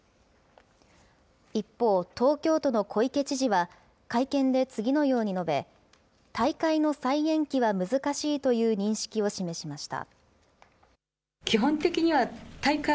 一方、東京都の小池知事は、会見で次のように述べ、大会の再延期は難しいという認識を示しました。